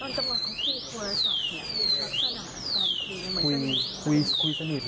ตอนจังหวัดของพี่คุณสาเหตุอยู่ที่สนับสนับสนับ